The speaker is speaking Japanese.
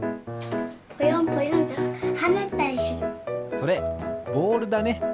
それボールだね。